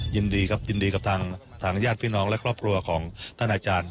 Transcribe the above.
ยินดีครับยินดีกับทางญาติพี่น้องและครอบครัวของท่านอาจารย์